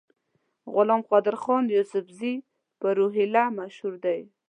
غلام قادرخان یوسفزي په روهیله مشهور دی.